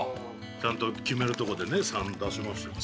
ちゃんと決めるとこでね「３」出しましたもんね。